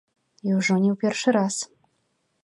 І ўжо не ў першы раз.